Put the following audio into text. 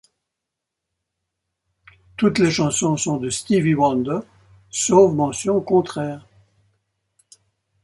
Toutes les chansons sont de Stevie Wonder, sauf mention contraire.